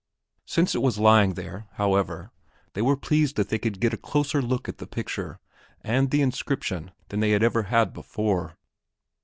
Since it was lying there, however, they were pleased that they could get a closer look at the picture and the inscription than they had ever had before.